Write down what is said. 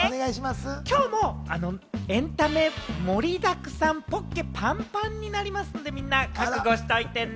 今日もエンタメ盛りだくさん、ポッケパンパンになりますので、みんな覚悟しといてね！